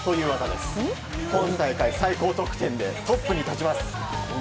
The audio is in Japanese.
今大会最高得点でトップに立ちます。